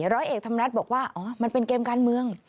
ร้อยเอกธรรมนัฐบอกว่าอ๋อมันเป็นเกมการเมือง